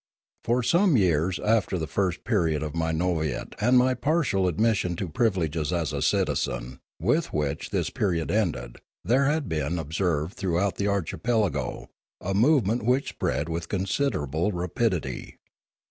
For some years after the first period of my novitiate and my partial admission to privileges as a citizen with which this period ended, there had been observed throughout the archipelago a movement which spread with con siderable rapidity.